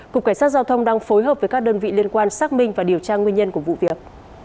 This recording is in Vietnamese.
cục cảnh sát giao thông đang phối hợp với các đơn vị liên quan xác minh và điều tra nguyên nhân của vụ việc